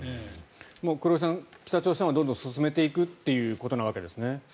黒井さん、北朝鮮はどんどん進めていくということなわけですね。